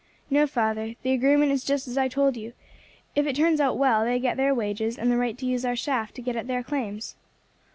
"No, father; the agreement is just as I told you. If it turns out well they get their wages and the right to use our shaft to get at their claims."